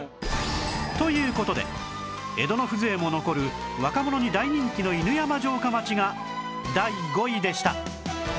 という事で江戸の風情も残る若者に大人気の犬山城下町が第５位でした